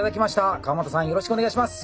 よろしくお願いします！